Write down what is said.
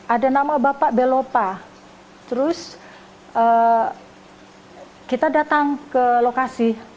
ada nama bapak belopa terus kita datang ke lokasi